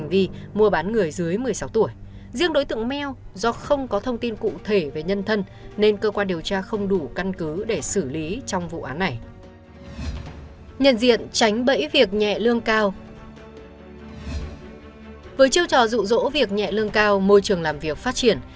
với chiêu trò rụ rỗ việc nhẹ lương cao môi trường làm việc phát triển